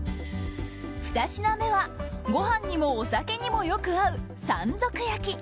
２品目はご飯にもお酒にもよく合う山賊焼き。